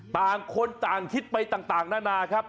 ต่างคนต่างคิดไปต่างนานาครับ